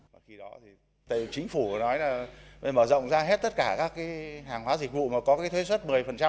tại vì chính phủ nói là mới mở rộng ra hết tất cả các hàng hóa dịch vụ mà có thuế xuất một mươi